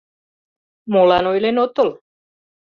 Молан ойлен отыл?